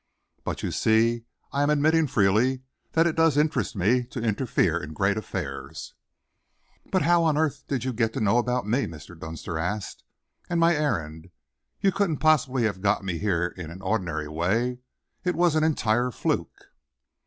But, you see, I am admitting freely that it does interest me to interfere in great affairs." "But how on earth did you get to know about me," Mr. Dunster asked, "and my errand? You couldn't possibly have got me here in an ordinary way. It was an entire fluke."